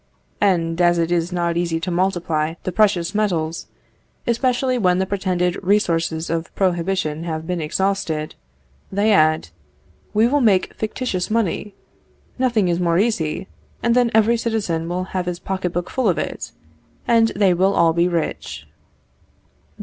And as it is not easy to multiply the precious metals, especially when the pretended resources of prohibition have been exhausted, they add, "We will make fictitious money, nothing is more easy, and then every citizen will have his pocket book full of it, and they will all be rich."